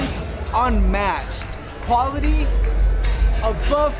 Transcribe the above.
yang tidak bergantung